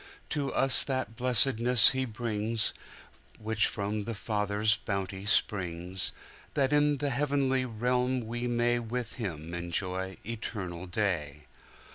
To us that blessedness He brings, Which from the Father's bounty springs:That in the heavenly realm we mayWith Him enjoy eternal day.